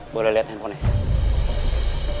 boleh liat handphonenya